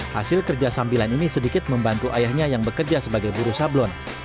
hasil kerja sambilan ini sedikit membantu ayahnya yang bekerja sebagai buru sablon